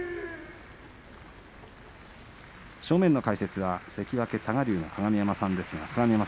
正面の解説は関脇多賀竜の鏡山さんです。